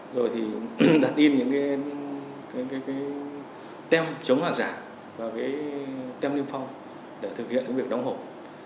rồi thì đặt in những cái tem chống lạc giả và cái tem liêm phong để thực hiện những việc đóng hộp